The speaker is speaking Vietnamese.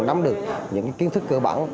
nắm được những kiến thức cơ bản